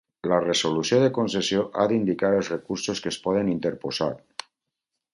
La resolució de concessió ha d'indicar els recursos que es poden interposar.